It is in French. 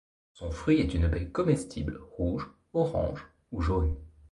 Son fruit est une baie comestible rouge, orange ou jaune.